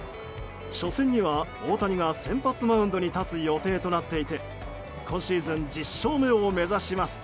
初戦には大谷が先発マウンドに立つ予定となっていて今シーズン１０勝目を目指します。